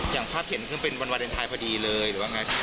อย่างภาพเห็นคือเป็นวันวาเลนไทยพอดีเลยหรือว่าไง